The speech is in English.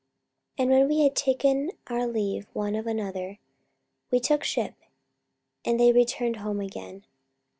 44:021:006 And when we had taken our leave one of another, we took ship; and they returned home again.